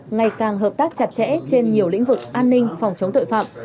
ngày càng hợp tác chặt chẽ trên nhiều lĩnh vực an ninh phòng chống tội phạm